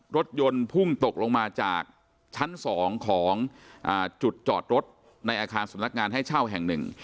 รถยนต์พุ่งตกลงมาจากชั้น๒ของจุดจอดรถในอาคารสำนักงานให้เช่าแห่งหนึ่ง